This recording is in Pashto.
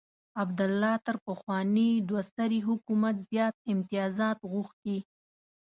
عبدالله تر پخواني دوه سري حکومت زیات امتیازات غوښتي.